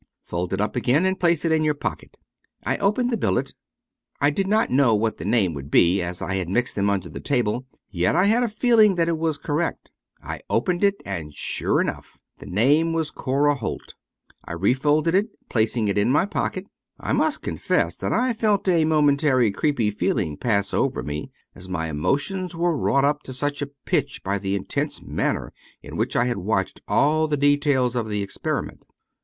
Fold it up again and place it in your pocket." I opened the billet. I did not know what the name would be, as I had mixed them under the table ; yet I had a feel ing that it was correct. I opened it and sure enough the name was " Cora Holt." I refolded it, placing it in my pocket I must confess that I felt a momentary creepy feeling pass over me, as my emotions were wrought up to such a pitch by the intense manner in which I had watched all the details of the experiment.